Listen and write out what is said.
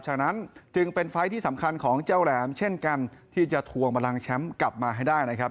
ฉะนั้นจึงเป็นไฟล์ที่สำคัญของเจ้าแหลมเช่นกันที่จะทวงบลังแชมป์กลับมาให้ได้นะครับ